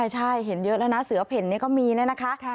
ใช่เห็นเยอะแล้วนะเสือเพ่นนี่ก็มีนะคะ